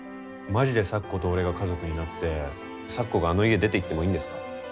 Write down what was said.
まじで咲子と俺が家族になって咲子があの家出て行ってもいいんですか？